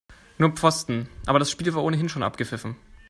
Nur Pfosten, aber das Spiel war ohnehin schon abgepfiffen.